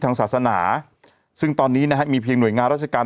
ทางศาสนาซึ่งตอนนี้นะฮะมีเพียงหน่วยงานราชการ